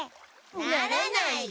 ならない！